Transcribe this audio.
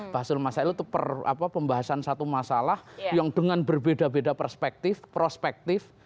bahsul masail itu pembahasan satu masalah yang dengan berbeda beda perspektif prospektif